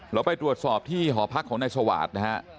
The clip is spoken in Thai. เราไปตรวจสอบที่หอพักของนายสวาสนะฮะ